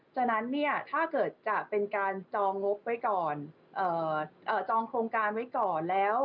ฉะนั้นถ้าเกิดจะเป็นการจองโครงการไว้ก่อน